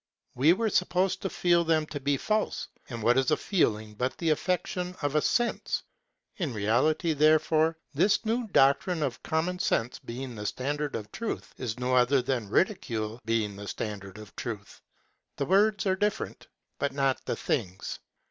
We were supposed to feel them to be false; and what is a feeling but the affection of a sense? In reality, therefore, this new doctrine of common sense being the standard of truth is no other than ridicule being the standard of truth. The words are different but not the things.